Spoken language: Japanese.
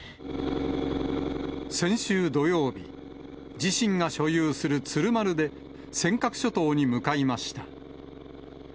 先週土曜日、自身が所有する鶴丸で尖閣諸島に向かいました。